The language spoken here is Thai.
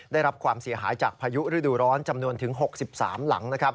ได้รับความเสียหายจากพายุฤดูร้อนจำนวนถึง๖๓หลังนะครับ